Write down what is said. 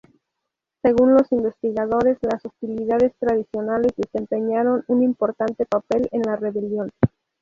Según los investigadores, las hostilidades tradicionales desempeñaron un importante papel en la rebelión.